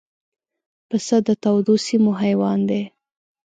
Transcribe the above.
پسه د تودو سیمو حیوان دی.